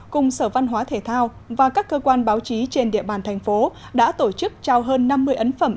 cùng sở văn hóa thể thao và các cơ quan báo chí trên địa bàn thành phố đã tổ chức trao hơn năm mươi ấn phẩm